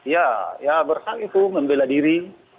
ya ya bersang itu membela diri